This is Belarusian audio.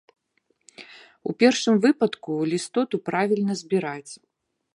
У першым выпадку лістоту правільна збіраць.